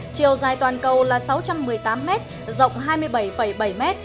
chiều dài toàn cầu là sáu trăm một mươi tám m rộng hai mươi bảy bảy m